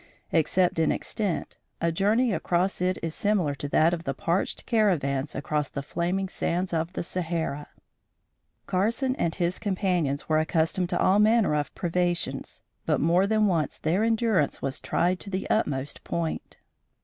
Except in extent, a journey across it is similar to that of the parched caravans across the flaming sands of Sahara. Carson and his companions were accustomed to all manner of privations, but more than once their endurance was tried to the utmost point.